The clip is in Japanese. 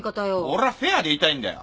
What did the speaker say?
俺はフェアでいたいんだよ。